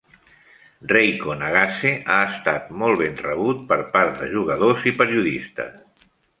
Reiko Nagase ha estat molt ben rebut per part de jugadors i periodistes.